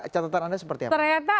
catatan anda seperti apa